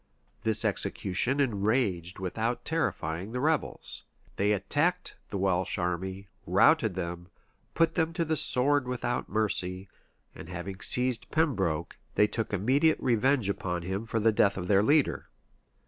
This execution enraged without terrifying the rebels: they attacked the Welsh army, routed them, put them to the sword without mercy; and having seized Pembroke, they took immediate revenge upon him for the death of their leader.